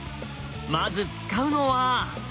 まず使うのは。